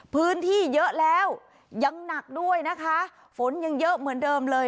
พื้นที่เยอะแล้วยังหนักด้วยนะคะฝนยังเยอะเหมือนเดิมเลย